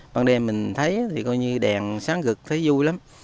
ban đêm mình thấy thì coi như đèn sáng cực thấy vui lắm